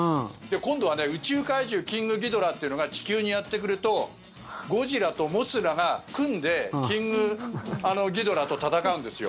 今度は宇宙怪獣キングギドラというのが地球にやってくるとゴジラとモスラが組んでキングギドラと戦うんですよ。